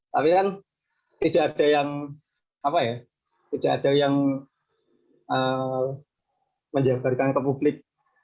tapi kan tidak ada yang menjaga ke publik